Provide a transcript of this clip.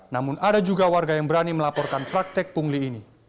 namun ada juga warga yang berani melaporkan praktek pungli ini